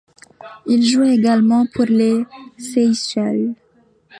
Il joue également pour les Seychelles.